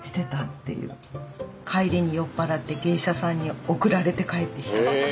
帰りに酔っ払って芸者さんに送られて帰ってきたとか。